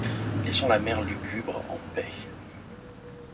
Laissons la mer lugubre en paix !